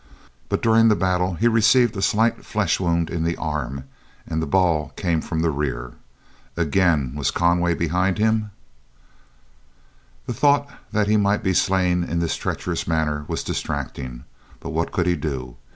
But during the battle he received a slight flesh wound in the arm and the ball came from the rear. Again was Conway behind him. The thought that he might be slain in this treacherous manner was distracting, but what could he do?